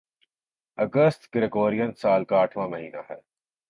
اگست Gregorian سال کا آٹھواں مہینہ ہے